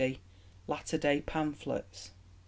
Latter Day Pamphlets.